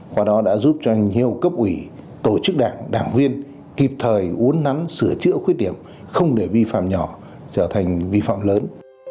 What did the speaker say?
qua đó đã giúp cho nhiều cấp ủy tổ chức đảng đảng viên kịp thời uốn nắn sửa chữa khuyết điểm không để vi phạm nhỏ trở thành vi phạm lớn